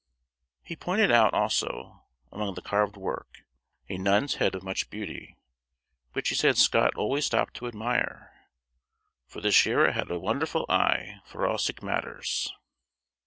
He pointed out, also, among the carved work a nun's head of much beauty, which he said Scott always stopped to admire "for the shirra had a wonderful eye for all sic matters."